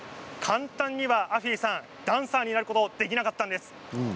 簡単にはアフィさんダンサーになることできなかったんです。